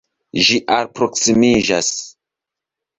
Ĝi alproksimiĝas.